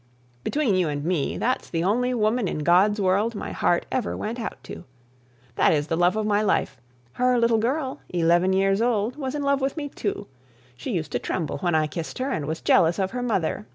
Between you and me, that's the only woman in God's world my heart ever went out to. That is the love of my life. Her little girl, eleven years old, was in love with me, too. She used to tremble when I kissed her, and was jealous of her mother.